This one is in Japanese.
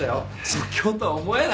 即興とは思えない。